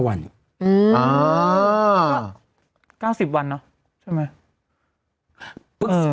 ๙๐วันเนอะ